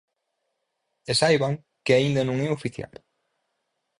E saiban que aínda non é oficial.